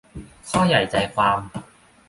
ข้อใหญ่ใจความ